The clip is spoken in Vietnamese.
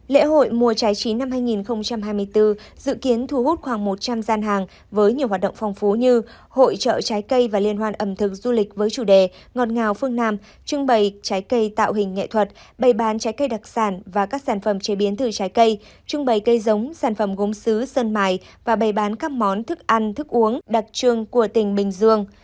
lễ hội mùa trái trí năm hai nghìn hai mươi bốn dự kiến thu hút khoảng một trăm linh gian hàng với nhiều hoạt động phong phú như hội trợ trái cây và liên hoan ẩm thực du lịch với chủ đề ngọt ngào phương nam trưng bày trái cây tạo hình nghệ thuật bày bán trái cây đặc sản và các sản phẩm chế biến thử trái cây trưng bày cây giống sản phẩm gốm xứ sân mải và bày bán các món thức ăn thức uống đặc trưng của tỉnh bình dương